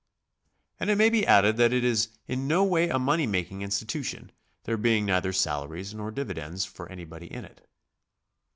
And it may be added that it i s in no way a money ^making institution, there being neither salaries nor dividends for anybody in it.